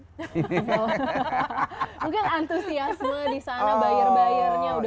mungkin antusiasme disana bayar bayarnya udah keliatan